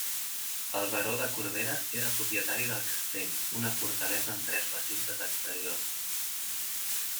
El Baró de Corbera era propietari del castell, una fortalesa amb tres recintes exteriors.